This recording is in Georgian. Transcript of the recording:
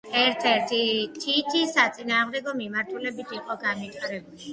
ერთ-ერთი თითი საწინააღმდეგო მიმართულებით იყო განვითარებული.